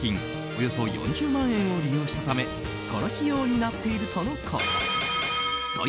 およそ４０万円を利用したためこの費用になっているとのこと。